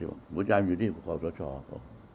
หัวใจมันอยู่ที่ของความตัวชอบ